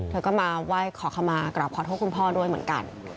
เธอก็มาไหว้ขอขมากราบขอโทษคุณพ่อด้วยเหมือนกัน